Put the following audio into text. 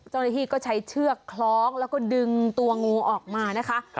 เจ้าหน้าที่ก็ใช้เชือกคล้องแล้วก็ดึงตัวงูออกมานะคะ